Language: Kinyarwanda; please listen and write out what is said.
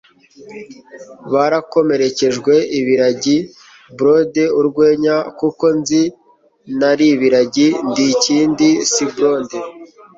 barakomerekejwe ibiragi Blonde urwenya kuko nzi ntari ibiragi Ndi Ikindi Si Blonde"?